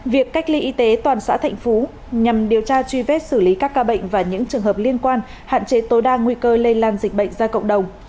việc cách ly y tế toàn xã thạnh phú nhằm điều tra truy vết xử lý các ca bệnh và những trường hợp liên quan hạn chế tối đa nguy cơ lây lan dịch bệnh ra cộng đồng